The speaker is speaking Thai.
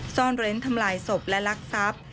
ซ่อนเร้นทำลายศพและลักทรัพย์